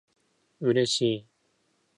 嬉しい